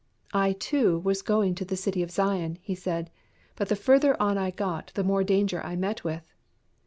"I, too, was going to the City of Zion," he said; "but the further on I go the more danger I meet with."